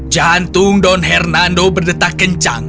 jantung don hernando berdetak kencang